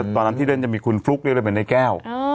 ตอนนั้นที่เล่นจะมีคุณฟลุ๊กเรียกเป็นนายแก้ว